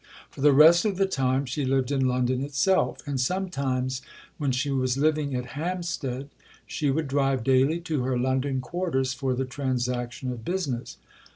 For the rest of the time she lived in London itself; and sometimes, when she was living at Hampstead, she would drive daily to her London quarters for the transaction of business.